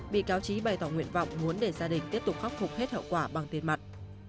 bị cáo trí bày tỏ nguyện vọng muốn để gia đình tiếp tục khắc phục hết hậu quả bằng tiền mặt